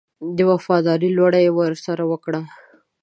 د وفاداري لوړه یې ورسره وکړه.